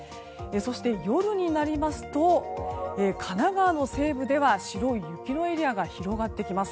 そして、夜になりますと神奈川の西部では雪の白いエリアが広がってきます。